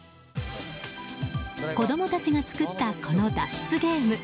子供たちが作ったこの脱出ゲーム。